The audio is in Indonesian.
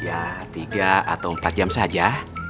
ya tiga atau empat jam saja